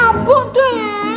aku pergi dulu ya